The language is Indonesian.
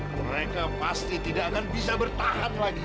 mereka pasti tidak akan bisa bertahan lagi